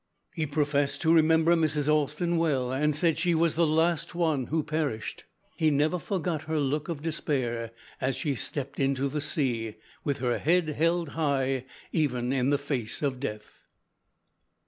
He professed to remember Mrs. Alston well, and said she was the last one who perished. He never forgot her look of despair as she stepped into the sea with her head held high even in the face of death.